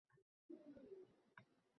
Botir firqa tanidim, demishday bosh irg‘adi.